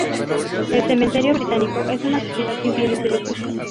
El Cementerio Británico es una sociedad sin fines de lucro.